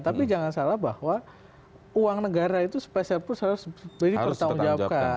tapi jangan salah bahwa uang negara itu spes harus dipertanggungjawabkan